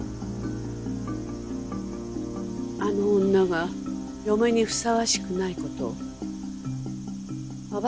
あの女が嫁にふさわしくない事を暴いてやるの。